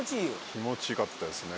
気持ちよかったですね